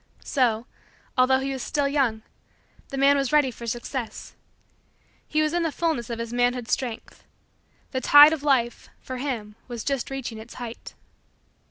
So, although he was still young, the man was ready for Success. He was in the fullness of his manhood strength. The tide of Life, for him, was just reaching its height.